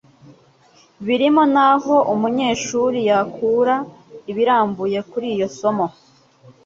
birimo n'aho umunyeshuri yakura ibirambuye kuri iryo somo